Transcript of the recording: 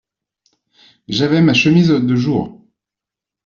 J’avais ma chemise de jour.